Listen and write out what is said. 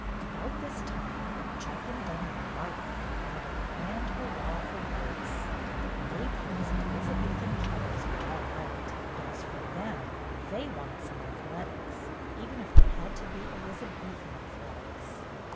About this time Jack and Dunny remarked that they wanted a "grand hurrah" for Lois, that May poles and Elizabethan Carols were all right, but as for them, they wanted some athletics, even if they had to be Elizabethan athletics.